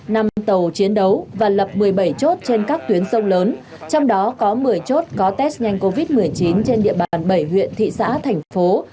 năm tàu chiến đấu và lập một mươi bảy chốt trên các tuyến sông lớn trong đó có một mươi chốt có test nhanh covid một mươi chín trên địa bàn bảy huyện thị xã thành phố